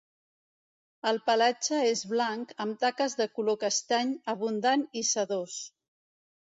El pelatge és blanc, amb taques de color castany, abundant i sedós.